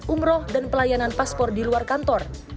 umroh dan pelayanan paspor di luar kantor